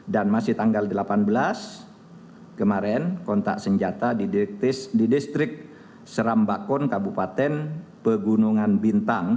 dan masih tanggal delapan belas kemarin kontak senjata di distrik serambakon kabupaten pegunungan bintang